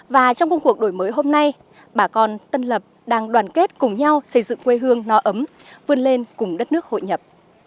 và trong công cuộc đổi mới hôm nay bà con tân lập đang đoàn kết cùng nhau xây dựng quê hương no ấm vươn lên cùng đất nước hội nhập